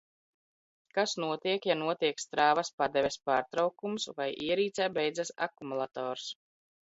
Kas notiek, ja notiek strāvas padeves pārtraukums vai ierīcē beidzas akumulators?